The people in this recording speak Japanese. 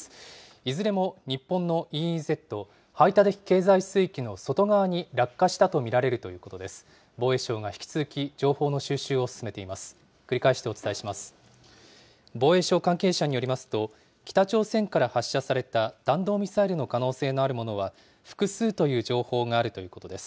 いずれも日本のＥＥＺ・排他的経済水域の外側に落下したと見られるということです。